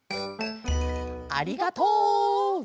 ありがとう！